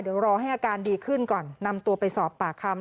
เดี๋ยวรอให้อาการดีขึ้นก่อนนำตัวไปสอบปากคำ